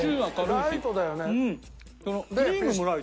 ライトだよね。